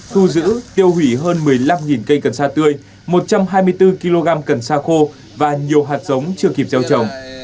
thu giữ tiêu hủy hơn một mươi năm cây cần sa tươi một trăm hai mươi bốn kg cần sa khô và nhiều hạt giống chưa kịp gieo trồng